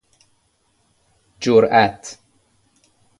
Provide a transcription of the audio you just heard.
جرئت